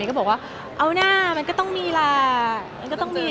ก็บอกว่าเอาหน้ามันก็ต้องมีแหละ